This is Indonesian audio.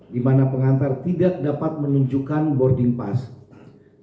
di mana pengantar tidak dapat menunjukkan boarding pass